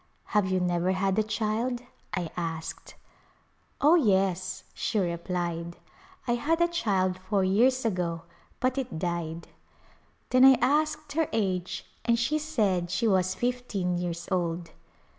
" Have you never had a child ?" I asked. " Oh, yes," she replied, " I had a child four years ago, but it died." Then I asked her age and she said she was fifteen years old.